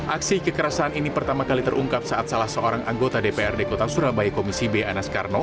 aksi kekerasan ini pertama kali terungkap saat salah seorang anggota dprd kota surabaya komisi b anas karno